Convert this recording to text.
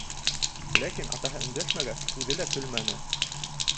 Ләкин атаһы өндәшмәгәс, үҙе лә көлмәне.